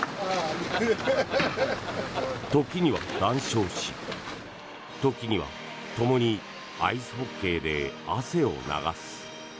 時には談笑し時にはともにアイスホッケーで汗を流す。